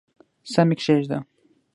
سم یې کښېږده !